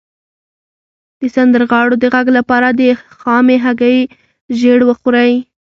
د سندرغاړو د غږ لپاره د خامې هګۍ ژیړ وخورئ